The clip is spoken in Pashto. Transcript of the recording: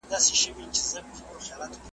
چي يې جوړي سوي سوي غلبلې كړې ,